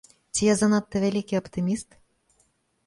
Ці я занадта вялікі аптыміст?